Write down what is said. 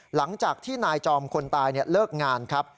หลังจากที่นายจอมคนตายเลิกงานครับ